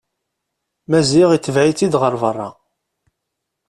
Maziɣ itbeɛ-itt-id ɣer berra.